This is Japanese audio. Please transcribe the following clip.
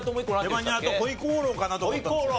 レバニラとホイコーローかなと思ったんですけど。